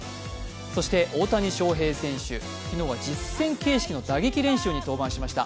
そして大谷翔平選手、昨日は実戦形式の打撃練習に登板しました。